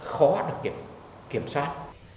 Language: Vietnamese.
khó được kiểm soát